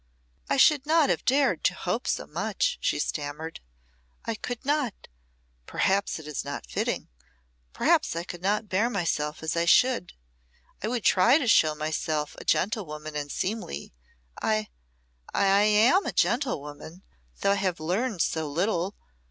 "I should not have dared to hope so much," she stammered. "I could not perhaps it is not fitting perhaps I could not bear myself as I should. I would try to show myself a gentlewoman and seemly. I I am a gentlewoman, though I have learned so little.